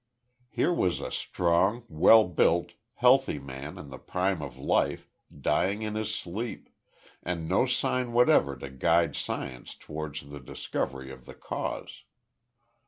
Here was a strong, well built, healthy man in the prime of life, dying in his sleep, and no sign whatever to guide Science towards the discovery of the cause.